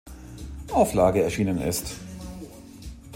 Auflage erschienen ist.